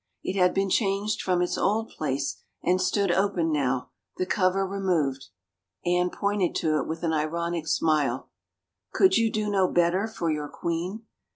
It had been changed from its old place and stood open now, the cover removed. Anne pointed to it with an ironic smile. " Could you do no better for your queen